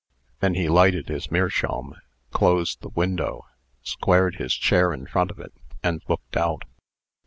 Then he lighted his meerschaum, closed the window, squared his chair in front of it, and looked out.